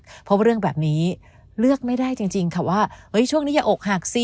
เพราะว่าเรื่องแบบนี้เลือกไม่ได้จริงค่ะว่าช่วงนี้อย่าอกหักสิ